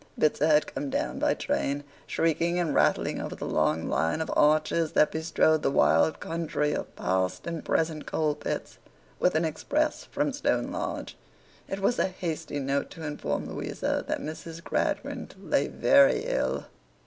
Bitzer had come down by train, shrieking and rattling over the long line of arches that bestrode the wild country of past and present coal pits, with an express from Stone Lodge. It was a hasty note to inform Louisa that Mrs. Gradgrind lay very ill.